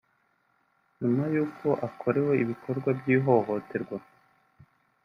nyuma y’uko akorewe ibikorwa by’ihohoterwa